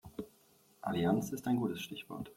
Allianz ist ein gutes Stichwort.